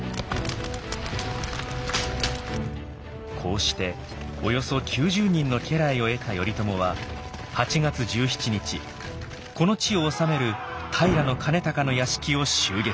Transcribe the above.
こうしておよそ９０人の家来を得た頼朝は８月１７日この地を治める平兼隆の屋敷を襲撃。